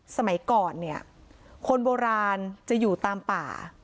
สมัยก่อนเนี่ยคนโบราณจะอยู่ตามป่า